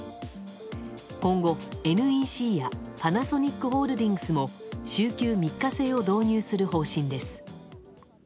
今後、ＮＥＣやパナソニックホールディングスも週休３日制を導入する方針です。